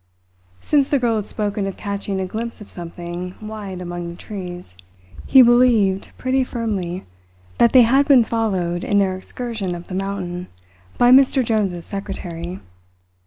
Since the girl had spoken of catching a glimpse of something white among the trees, he believed pretty firmly that they had been followed in their excursion up the mountain by Mr. Jones's secretary.